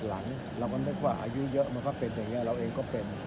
มันยังไม่ได้ว่าปวดหลังที่แบบว่าอะไรนะ